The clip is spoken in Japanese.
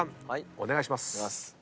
お願いします。